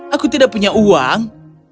aku tidak punya uang